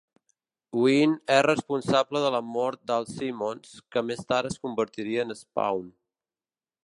Wynn és responsable de la mort d'Al Simmons, que més tard es convertiria en Spawn.